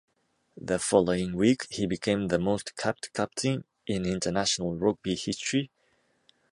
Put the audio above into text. The following week, he became the most-capped captain in international rugby history.